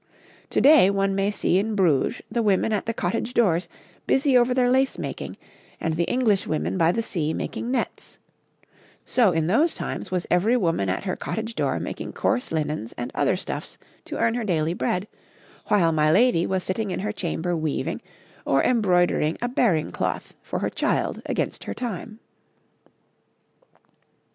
To day one may see in Bruges the women at the cottage doors busy over their lace making, and the English women by the sea making nets so in those times was every woman at her cottage door making coarse linens and other stuffs to earn her daily bread, while my lady was sitting in her chamber weaving, or embroidering a bearing cloth for her child against her time.